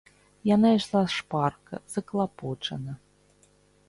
Яна ішла шпарка, заклапочана.